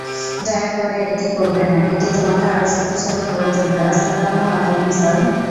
দয়া করে এটা করবেন না এটি তোমাকে আরো শক্তিশালী করে তুলবে আসসালামুয়ালাইকুম স্যার।